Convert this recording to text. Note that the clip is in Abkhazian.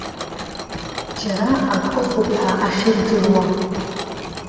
Џьара ак ыҟоуп ҳәа ахьырдыруа.